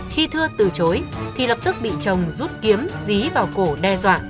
khi thưa từ chối thì lập tức bị chồng rút kiếm dí vào cổ đe dọa